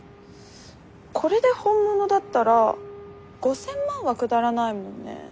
これで本物だったら５，０００万は下らないもんね。